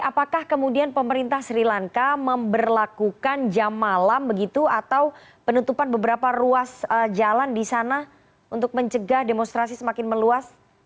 apakah kemudian pemerintah sri lanka memperlakukan jam malam begitu atau penutupan beberapa ruas jalan di sana untuk mencegah demonstrasi semakin meluas